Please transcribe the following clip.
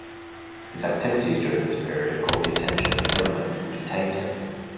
His activities during this period caught the attention of the government who detained him.